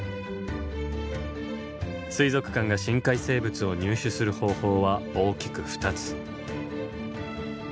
水族館が深海生物を入手する方法は大きく２つ。